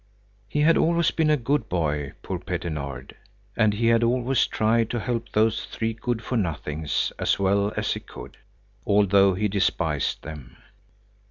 He had always been a good boy, poor Petter Nord. And he had always tried to help those three good for nothings as well as he could, although he despised them.